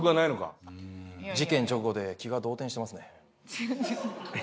事件直後で気が動転してますね。